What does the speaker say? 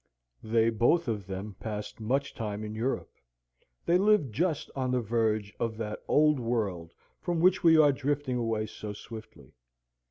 They both of them passed much time in Europe. They lived just on the verge of that Old World from which we are drifting away so swiftly.